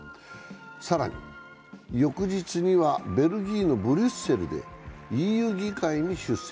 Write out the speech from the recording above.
更に翌日にはベルギーのブリュッセルでＥＵ議会に出席。